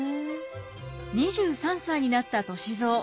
２３歳になった歳三。